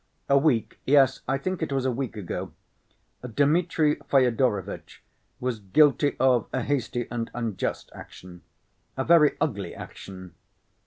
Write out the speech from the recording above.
"A week—yes, I think it was a week ago—Dmitri Fyodorovitch was guilty of a hasty and unjust action—a very ugly action.